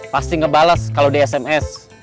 pasti ngebalas kalau di sms